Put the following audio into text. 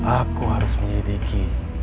aku harus menyedeki